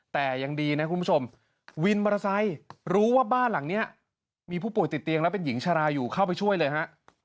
แต่อย่างดีเนี่ยคุณผู้ชมวินบารศัยรู้ว่าหลังนี้มีผู้ผู้ติดเตียงแล้วเป็นหญิงชาราอยู่เข้าไปช่วยเลยค่ะ